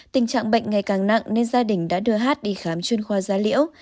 tình trạng bệnh ngày càng nặng nên gia đình đã đưa hát đi khám chuyên khoa gia liễu